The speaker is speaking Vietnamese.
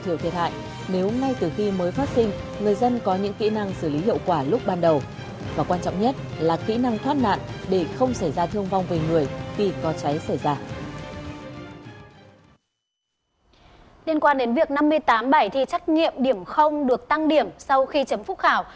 liên quan đến việc năm mươi tám bài thi trắc nghiệm điểm được tăng điểm sau khi chấm phúc khảo